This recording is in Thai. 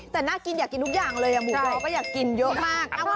แต่น่ากินอยากกินทุกอย่างเลยหมูเราก็อยากกินเยอะมาก